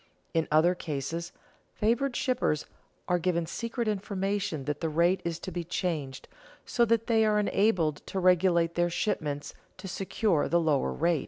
In other cases favored shippers are given secret information that the rate is to be changed, so that they are enabled to regulate their shipments to secure the lower rate.